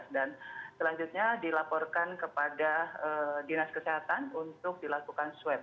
dan selanjutnya dilaporkan kepada dinas kesehatan untuk dilakukan swab